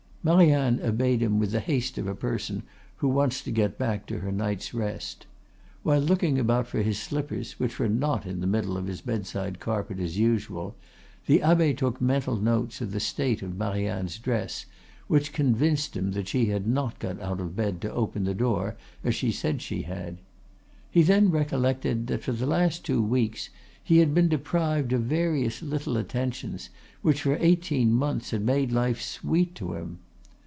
Marianne obeyed with the haste of a person who wants to get back to her night's rest. While looking about him for his slippers, which were not in the middle of his bedside carpet as usual, the abbe took mental notes of the state of Marianne's dress, which convinced him that she had not got out of bed to open the door as she said she had. He then recollected that for the last two weeks he had been deprived of various little attentions which for eighteen months had made life sweet to him.